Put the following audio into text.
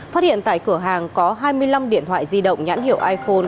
phát hiện tại cửa hàng có hai mươi năm điện thoại di động nhãn hiệu iphone